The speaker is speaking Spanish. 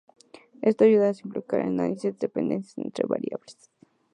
Esto ayuda a simplificar el análisis de las dependencias entre variables.